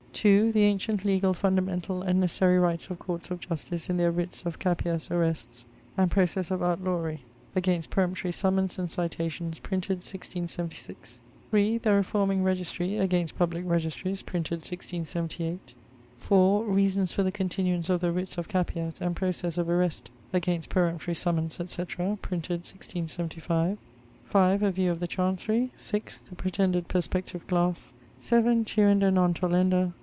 2. The antient legall fundamentall and necessary rights of courts of justice in their writs of capias arrests and proces of outlawry against peremptory summons and citations: printed 1676. 3. The reforming registry, against publick registries; printed 1678. 4. Reasons for the continuance of the writs of capias and proces of arrest against peremptory summons, etc.: printed 1675. 5. A view of the chancery. 6. The pretended perspective glasse. 7. Tuenda non tollenda.